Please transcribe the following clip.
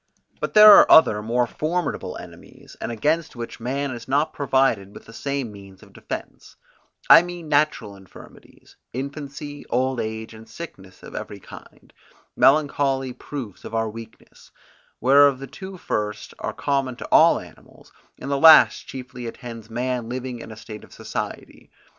But there are other more formidable enemies, and against which man is not provided with the same means of defence; I mean natural infirmities, infancy, old age, and sickness of every kind, melancholy proofs of our weakness, whereof the two first are common to all animals, and the last chiefly attends man living in a state of society.